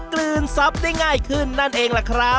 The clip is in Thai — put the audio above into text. กลืนซับได้ง่ายขึ้นนั่นเอง